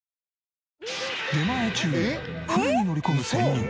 出前中船に乗り込む仙人。